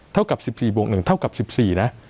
เท่ากับ๑๔บวก๑เท่ากับ๑๔นะ